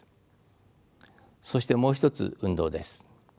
そしてもう一つ運動です。